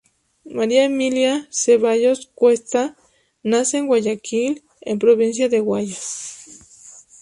María Emilia Cevallos Cuesta nace en Guayaquil, en la provincia de Guayas.